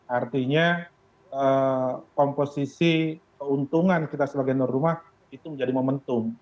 artinya komposisi keuntungan kita sebagai tuan rumah itu menjadi momentum